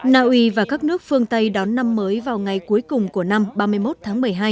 naui và các nước phương tây đón năm mới vào ngày cuối cùng của năm ba mươi một tháng một mươi hai